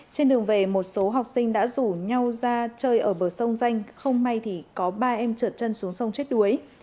trên đường về một số học sinh đã rủ nhau ra chơi ở bờ sông danh không may thì có ba em trượt chân xuống sông chết đuối